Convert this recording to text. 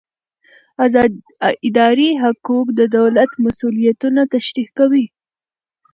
اداري حقوق د دولت مسوولیتونه تشریح کوي.